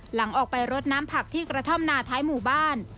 หลังออกไปรดน้ำผักที่กระท่อมนาท้ายหมู่บ้าน